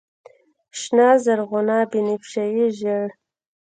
شنه، زرغونه، بنفشیې، ژړ